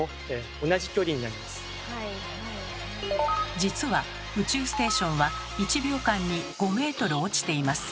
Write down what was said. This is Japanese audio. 実は宇宙ステーションは１秒間に５ｍ落ちています。